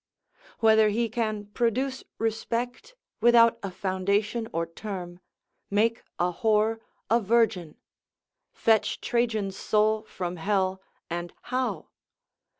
Whether he can produce respect without a foundation or term, make a whore a virgin? fetch Trajan's soul from hell, and how?